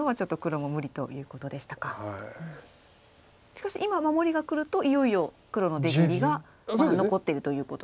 しかし今守りがくるといよいよ黒の出切りがまだ残ってるということですね。